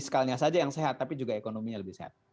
fiskalnya saja yang sehat tapi juga ekonominya lebih sehat